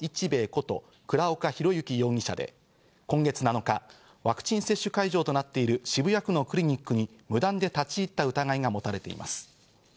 こと倉岡宏行容疑者で今月７日、ワクチン接種会場となっている渋谷区のクリニックに無断で立ち入った疑いが持たれています。